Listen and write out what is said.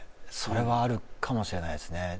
それはあるかもしれないですね